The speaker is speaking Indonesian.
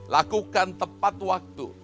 lakukan tepat waktu